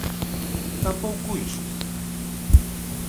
¿Tampouco iso?